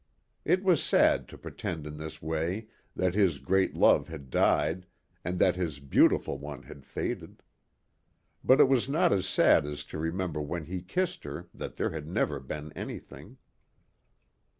It was sad to pretend in this way that his great love had died and that his beautiful one had faded. But it was not as sad as to remember when he kissed her that there had never been anything.